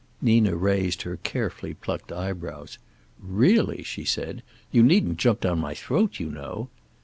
Nina raised her carefully plucked eyebrows. "Really!" she said. "You needn't jump down my throat, you know."